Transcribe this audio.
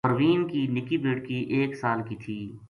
پروین کی نِکی بیٹکی ایک سال کی تھی